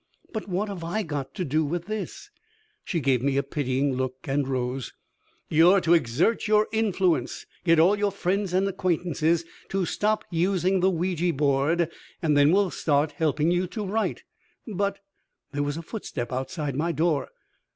"But what have I got to do with this?" She gave me a pitying look and rose. "You're to exert your influence. Get all your friends and acquaintances to stop using the Ouija board, and then we'll start helping you to write." "But " There was a footstep outside my door.